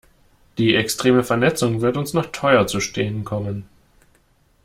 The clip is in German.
Die extreme Vernetzung wird uns noch teuer zu stehen kommen.